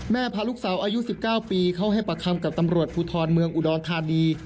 พาลูกสาวอายุ๑๙ปีเข้าให้ปากคำกับตำรวจภูทรเมืองอุดรธานี